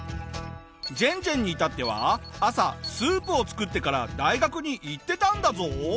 ジェンジェンに至っては朝スープを作ってから大学に行ってたんだぞ！